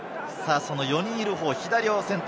４人いる方、左を選択。